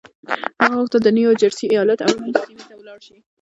هغه غوښتل د نيو جرسي ايالت اورنج سيمې ته لاړ شي.